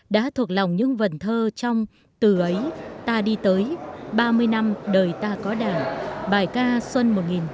đã thuộc lòng những vần thơ trong từ ấy ta đi tới ba mươi năm đời ta có đàn bài ca xuân một nghìn chín trăm sáu mươi một